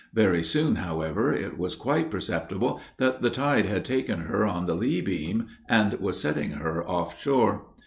Very soon, however, it was quite perceptible that the tide had taken her on the lee beam, and was setting her off shore.